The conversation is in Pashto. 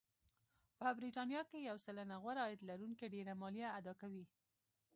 په بریتانیا کې یو سلنه غوره عاید لرونکي ډېره مالیه اداکوي